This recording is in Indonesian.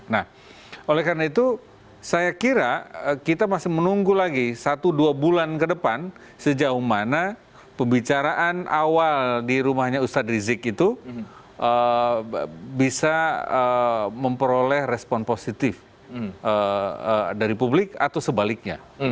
nah oleh karena itu saya kira kita masih menunggu lagi satu dua bulan ke depan sejauh mana pembicaraan awal di rumahnya ustadz rizik itu bisa memperoleh respon positif dari publik atau sebaliknya